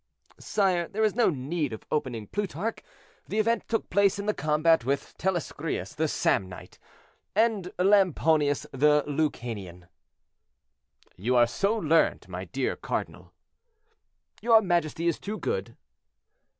"Sire, there is no need of opening Plutarch; the event took place in the combat with Telescrius the Samnite, and Lamponius the Lucanian." "You are so learned, my dear cardinal." "Your majesty is too good."